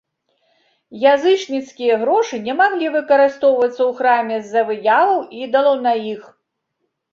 Язычніцкія грошы не маглі выкарыстоўвацца ў храме з-за выяваў ідалаў на іх.